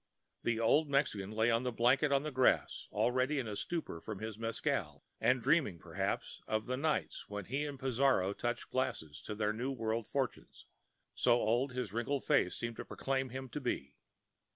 The old Mexican lay upon a blanket on the grass, already in a stupor from his mescal, and dreaming, perhaps, of the nights when he and Pizarro touched glasses to their New World fortunes—so old his wrinkled face seemed to proclaim him to be.